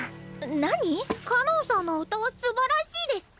何？かのんさんの歌はすばらしいデス！